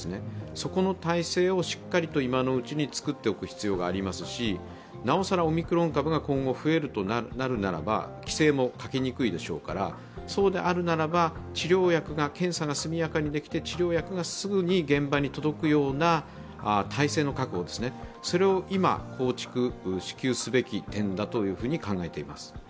そこの体制をしっかりと今のうちに作っておく必要がありますしなおさらオミクロン株が今後、増えるとなるならば規制もかけにくいでしょうから、そうであるならば治療薬が検査が速やかにできて、治療薬がすぐに現場に届くような体制の確保、それを今、構築すべき点だと思います。